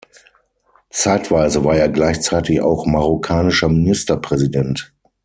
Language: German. Zeitweise war er gleichzeitig auch marokkanischer Ministerpräsident.